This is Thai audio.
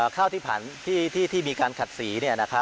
ข้าวที่ผ่านที่มีการขัดสี